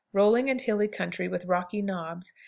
Rolling and hilly country, with rocky knobs.